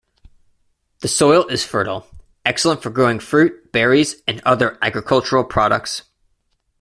The soil is fertile, excellent for growing fruit, berries and other agricultural products.